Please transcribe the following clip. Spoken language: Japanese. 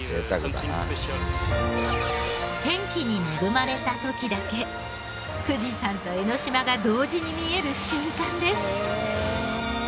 天気に恵まれた時だけ富士山と江の島が同時に見える瞬間です。